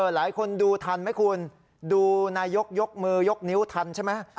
หลายคนดูทันไหมคุณดูนายกยกมือยกนิ้วทันใช่ไหม